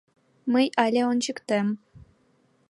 Мый але ончыктем!